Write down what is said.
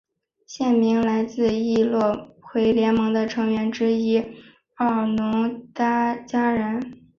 县名来自易洛魁联盟的成员之一奥农达加人。